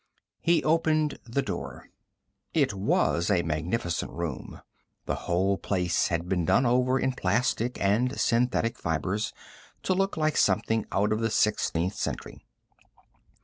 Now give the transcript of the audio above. He opened the door. It was a magnificent room. The whole place had been done over in plastic and synthetic fibers to look like something out of the Sixteenth Century.